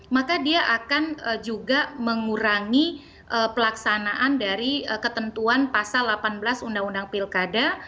maka dia akan juga mengurangi pelaksanaan dari ketentuan pasal delapan belas undang undang pilkada